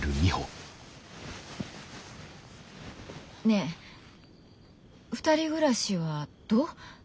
ねぇ２人暮らしはどう？